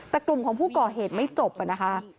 แต่กลุ่มของผู้ก่อเหตุไม่จบนะคะ